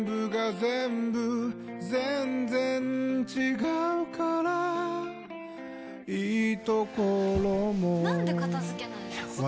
全然違うからいいところもなんで片付けないの？